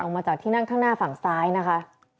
มาจากที่นั่งข้างหน้าฝั่งซ้ายนะคะ